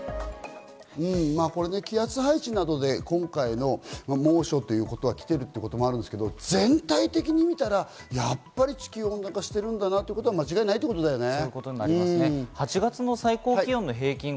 これね、気圧配置などで今回の猛暑ということが来ているということもあるんですが、全体的に見たら、やっぱり地球温暖化しているんだなというのは間違いないということだよね。